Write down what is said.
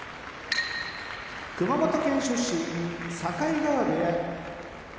熊本県出身境川部屋